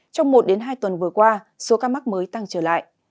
trong một hai tuần vừa qua số ca mắc mới tăng trở lại